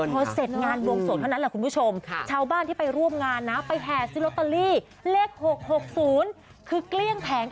เหมือนบิลเฮนเซียค